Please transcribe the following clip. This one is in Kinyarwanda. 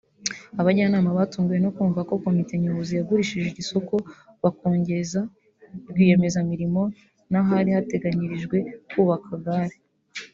Abajyanama batunguwe no kumva ko komite nyobozi yagurishije iri soko bakongeza rwiyemezamirimo n’ahari harateganyirijwe kwubakwa gare